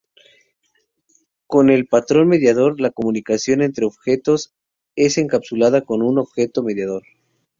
Con el patrón mediador, la comunicación entre objetos es encapsulada con un objeto mediador.